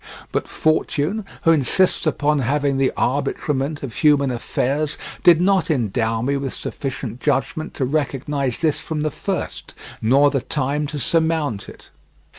But Fortune, who insists upon having the arbitrament of human affairs, did not endow me with sufficient judgment to recognize this from the first, nor the time to surmount it.